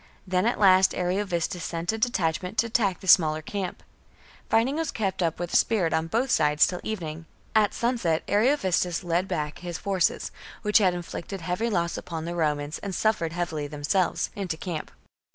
Then at last Ariovistus sent a detachment to attack the smaller camp. Fighting was kept up with spirit on both sides till evening. At sunset Ariovistus led back his forces, which had inflicted heavy loss upon the Romans and suffered heavily themselves, into camp.